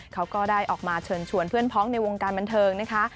เขาก็ได้ออกมาเชิญชวนเพื่อนพ้องในวงการบันเทิงนะคะ